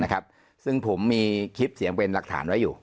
นะครับซึ่งผมมีคลิปเสียงเวรรักฐานไว้อยู่